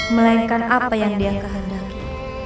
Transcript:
melainkan apa yang dia kehadapi